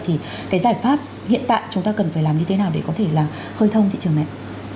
thì cái giải pháp hiện tại chúng ta cần phải làm như thế nào để có thể là khơi thông thị trường này